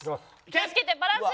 気をつけてバランス。